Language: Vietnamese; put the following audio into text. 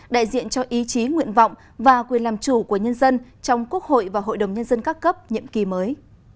đại diện cho ý chí nguyện vọng và quyền làm chủ của nhân dân trong quốc hội và hội đồng nhân dân các cấp nhiệm kỳ mới